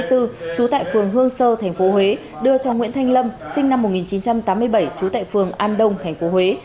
trú tại phường hương sơ thành phố huế đưa cho nguyễn thanh lâm sinh năm một nghìn chín trăm tám mươi bảy trú tại phường an đông thành phố huế